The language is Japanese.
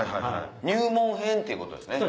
入門編ってことですね。